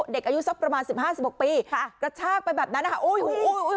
เด็กอายุสักประมาณสิบห้าสิบหกปีค่ะกระชากไปแบบนั้นนะคะโอ้โห